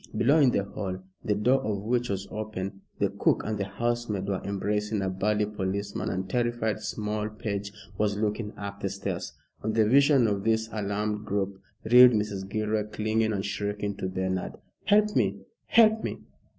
Below, in the hall, the door of which was open, the cook and the housemaid were embracing a burly policeman, and terrified small page was looking up the stairs. On the vision of this alarmed group reeled Mrs. Gilroy, clinging and shrieking to Bernard "Help me help me!